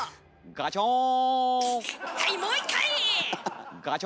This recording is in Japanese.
「ガチョン」。